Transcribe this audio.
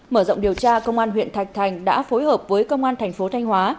mở rộng điều tra công an huyện thạch thành đã phối hợp với công an thành phố thanh hóa